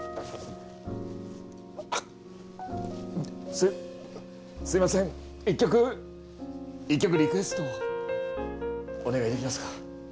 すすいません一曲一曲リクエストをお願いできますか？